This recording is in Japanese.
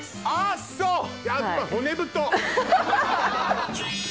あっそう！